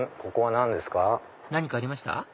何かありました？